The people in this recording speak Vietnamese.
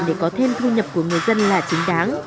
để có thêm thu nhập của người dân là chính đáng